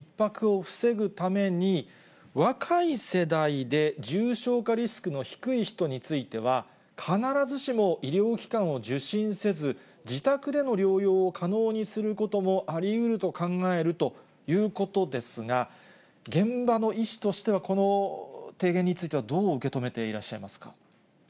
外来医療のひっ迫を防ぐために、若い世代で重症化リスクの低い人については、必ずしも医療機関を受診せず、自宅での療養を可能にすることもありうると考えるということですが、現場の医師としては、この提言については、どう受け止めていらっしゃいますか。